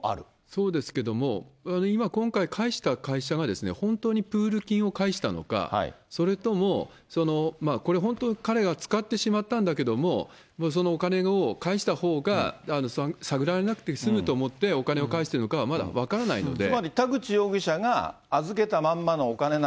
そうですけども、今、今回、返した会社は、本当にプール金を返したのか、それともこれ、本当に彼が使ってしまったんだけども、そのお金を返したほうが、探られなくて済むと思って、お金を返しているのかはまだ分からないので。